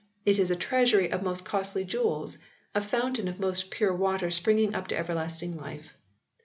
It is a treasury of most costly jewels, a fountain of most pure water springing up unto everlasting life.